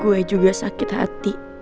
gue juga sakit hati